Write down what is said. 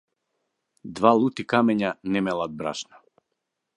Два лути камења не мелат брашно.